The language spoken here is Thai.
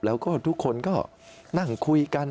แล้วก็ทุกคนก็นั่งคุยกัน